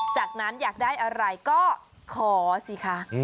จากนั้นอยากได้อะไรก็ขอสิคะ